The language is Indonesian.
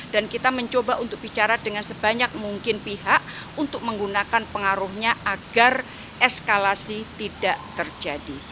dan kita mencoba untuk bicara dengan sebanyak mungkin pihak untuk menggunakan pengaruhnya agar eskalasi tidak terjadi